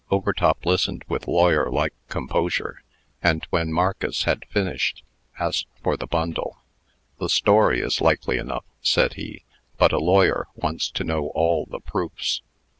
Overtop listened with lawyer like composure, and, when Marcus had finished, asked for the bundle. "The story is likely enough," said he, "but a lawyer wants to know all the proofs."